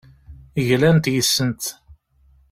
Glant yes-sent.